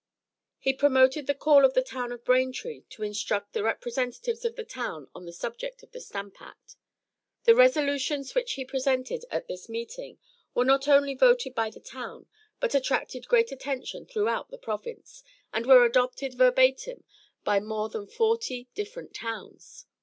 He promoted the call of the town of Braintree to instruct the representatives of the town on the subject of the Stamp Act. The resolutions which he presented at this meeting were not only voted by the town, but attracted great attention throughout the province, and were adopted verbatim by more than forty different towns.